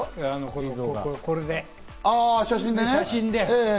これで、写真で。